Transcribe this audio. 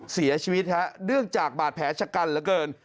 เสียชีวิตฮะเนื่องจากบาดแผลชะกันเหลือเกิน